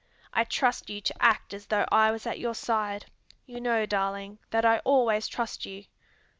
I trust you to act as though I was at your side. You know, darling, that I always trust you."